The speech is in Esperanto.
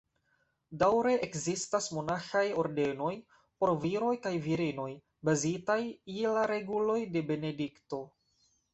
Daŭre ekzistas monaĥaj ordenoj, por viroj kaj virinoj, bazitaj je la reguloj de Benedikto.